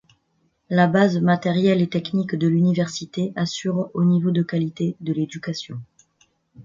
La base matérielle et technique de l'université assure haut niveau de qualité de l'éducation.